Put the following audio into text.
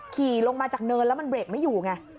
ขี่ลงมาจากเนินแล้วมันเบรกไม่อยู่ไง